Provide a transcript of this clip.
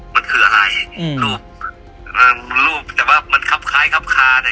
มันคืออะไรอืมรูปอืมรูปแต่ว่ามันคับคล้ายคับคาดอ่ะ